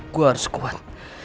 gue harus kuat